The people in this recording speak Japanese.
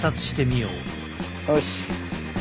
よし。